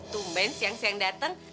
tumben siang siang datang